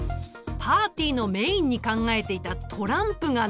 パーティーのメインに考えていたトランプがなかったのだ！